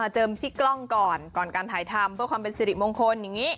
เจิมที่กล้องก่อนก่อนการถ่ายทำเพื่อความเป็นสิริมงคลอย่างนี้